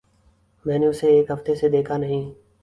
میں نے اسے ایک ہفتے سے دیکھا نہیں۔